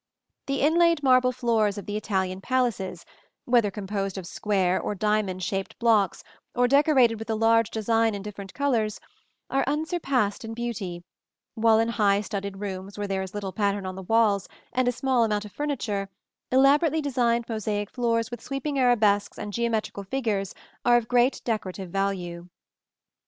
The inlaid marble floors of the Italian palaces, whether composed of square or diamond shaped blocks, or decorated with a large design in different colors, are unsurpassed in beauty; while in high studded rooms where there is little pattern on the walls and a small amount of furniture, elaborately designed mosaic floors with sweeping arabesques and geometrical figures are of great decorative value.